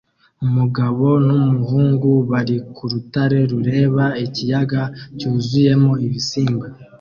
Umugabo n'umuhungu bari ku rutare rureba ikiyaga cyuzuyemo ibisimba